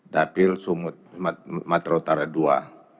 dapil sumut matra utara ii